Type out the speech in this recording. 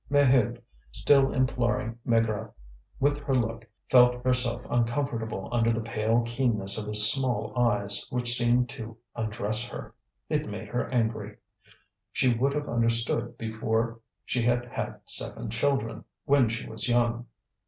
Maheude, still imploring Maigrat with her look, felt herself uncomfortable under the pale keenness of his small eyes, which seemed to undress her. It made her angry; she would have understood before she had had seven children, when she was young.